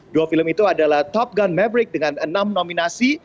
dua film itu adalah top gun maverick dengan enam nominasi